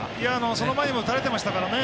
その前も打たれてましたからね。